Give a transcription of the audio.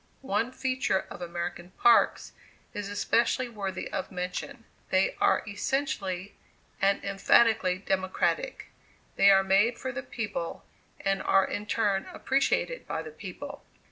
One feature of American parks is especially worthy of mention: they are essentially and emphatically democratic. They are made for the people, and are in turn appreciated by the people.